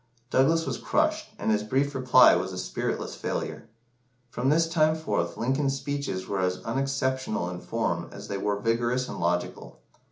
Douglas was crushed, and his brief reply was a spiritless failure. From this time forth, Lincoln's speeches were as unexceptional in form as they were vigorous and logical.